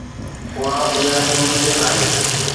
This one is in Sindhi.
اها بنيادي حقيقت آهي.